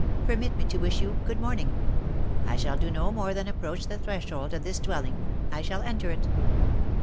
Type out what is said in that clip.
Permit me to wish you good morning ; I shall do more than approach the threshold of this dwelling — I shall enter it."